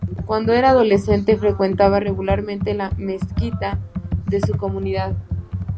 Cuando era adolescente frecuentaba regularmente la mezquita de su comunidad.